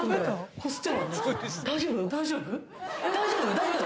大丈夫？